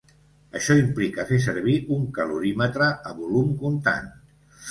Això implica fer servir un calorímetre a volum contant.